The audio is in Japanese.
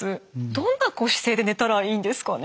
どんな姿勢で寝たらいいんですかね？